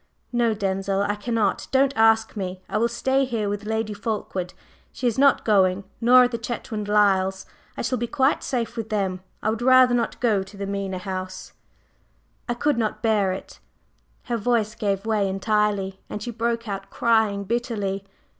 "No, Denzil, I cannot. Don't ask me. I will stay here with Lady Fulkeward. She is not going, nor are the Chetwynd Lyles. I shall be quite safe with them. I would rather not go to the Mena House, I could not bear it …" Her voice gave way entirely, and she broke out crying bitterly.